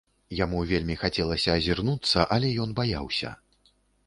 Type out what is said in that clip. Яму вельмі хацелася азірнуцца, але ён баяўся.